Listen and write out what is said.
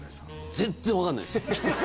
全然分かんないです！